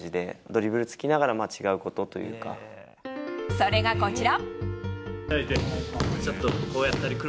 それがこちら。